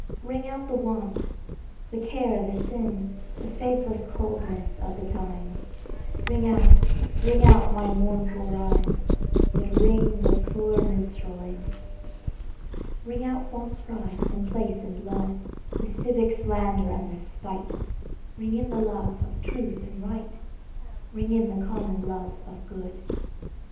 Ring out the want, the care the sin, The faithless coldness of the times; Ring out, ring out my mournful rhymes, But ring the fuller minstrel in. Ring out false pride in place and blood, The civic slander and the spite; Ring in the love of truth and right, Ring in the common love of good.